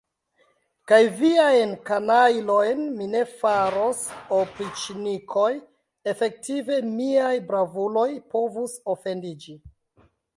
Kaj viajn kanajlojn mi ne faros opriĉnikoj, efektive miaj bravuloj povus ofendiĝi.